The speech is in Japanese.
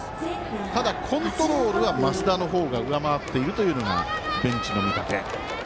ただ、コントロールは増田の方が上回っているというのがベンチの見立て。